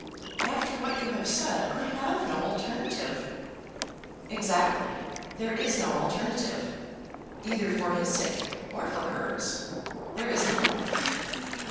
"After what you have said, I have no alternative." "Exactly. There is no alternative. Either for his sake or for hers, there is none."